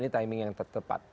ini timing yang tepat